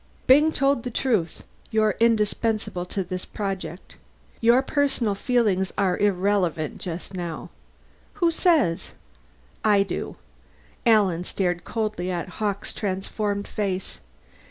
Byng told the truth: you're indispensable to this project. Your personal feelings are irrelevant just now." "Who says?" "I do." Alan stared coldly at Hawkes' transformed face.